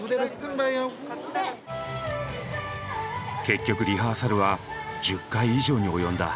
結局リハーサルは１０回以上に及んだ。